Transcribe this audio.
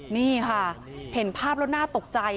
นี่ค่ะเห็นภาพแล้วน่าตกใจ